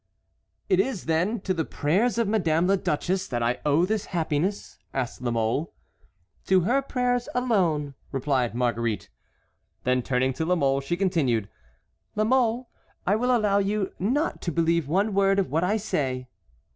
"Is it, then, to the prayers of Madame la Duchesse that I owe this happiness?" asked La Mole. "To her prayers alone," replied Marguerite. Then, turning to La Mole, she continued: "La Mole, I will allow you not to believe one word of what I say."